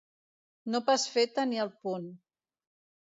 No pas feta ni al punt.